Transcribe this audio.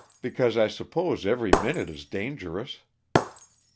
Because I suppose every minute is dangerous."